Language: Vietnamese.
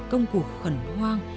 công cuộc khẩn hoang